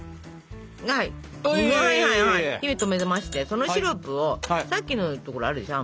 火を止めましてそのシロップをさっきの所あるでしょ。